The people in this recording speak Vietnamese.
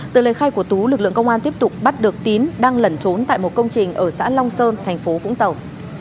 từ lời khai của tú lực lượng công an tiếp tục bắt được tín đang lẩn trốn tại một công trình ở xã long sơn thành phố vũng tàu